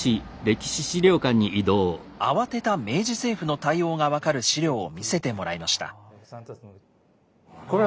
慌てた明治政府の対応が分かる資料を見せてもらいました。